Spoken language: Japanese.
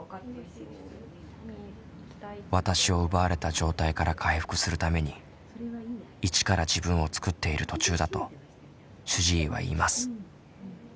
「わたし」を奪われた状態から回復するために一から自分を作っている途中だと主治医は言います。